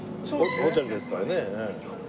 ホテルですからね。